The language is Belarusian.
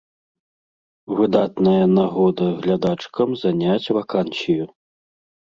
Выдатная нагода глядачкам заняць вакансію.